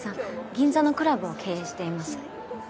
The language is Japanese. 銀座のクラブを経営しています。